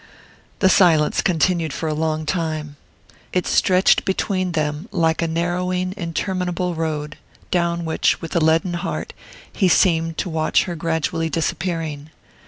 The silence continued for a long time it stretched between them like a narrowing interminable road, down which, with a leaden heart, he seemed to watch her gradually disappearing.